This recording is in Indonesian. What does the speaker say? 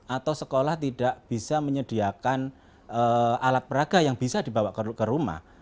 atau sekolah tidak bisa menyediakan alat peraga yang bisa dibawa ke rumah